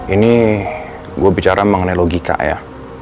ini gue bicara mengenai logika ya